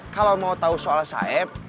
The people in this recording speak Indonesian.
kalau mau tau soal saeb